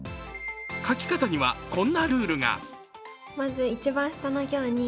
書き方にはこんなルールが。